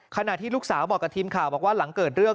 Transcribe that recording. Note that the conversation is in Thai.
ขณะที่ลูกสาวบอกกับทีมข่าวบอกว่าหลังเกิดเรื่อง